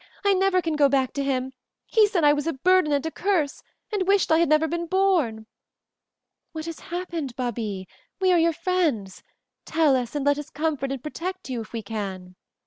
I never can go back to him; he said I was a burden and a curse, and wished I never had been born!" "What has happened, Babie? We are your friends. Tell us, and let us comfort and protect you if we can."